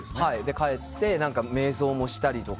帰って、瞑想もしたりとか。